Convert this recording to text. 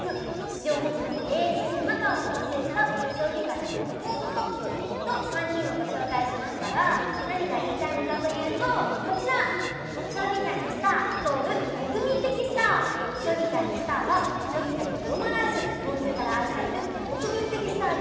史上初の永世七冠を達成した将棋界のトップオブトップ。と３人をご紹介しましたが何が言いたいのかというとこちら将棋界のスターは将棋界にとどまらず日本中から愛される国民的スターであるということ。